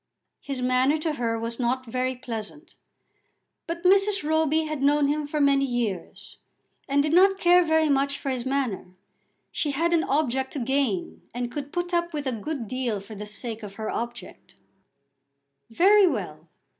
His manner to her was not very pleasant, but Mrs. Roby had known him for many years, and did not care very much for his manner. She had an object to gain, and could put up with a good deal for the sake of her object. "Very well.